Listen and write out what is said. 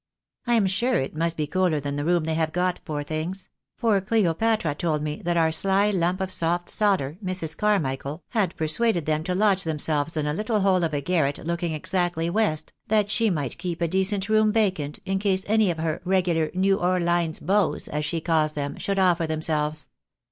I am sure it must be cooler than the room they have got, poor things ; for Cleopatra told me that our sly lump of soft sodder, Mrs. Carmichael, had persuaded them to lodge themselves in a little hole of a garret looking exactly west, that she might keep a decent room vacant, in case any of her ' regular 'New Orhnes Bows,' as she calls them, should offer them selves.